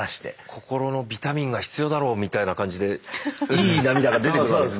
心のビタミンが必要だろうみたいな感じでいい涙が出てくるわけですか。